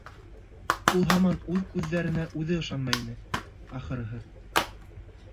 Ул һаман үҙ күҙҙәренә үҙе ышанмай ине, ахырыһы.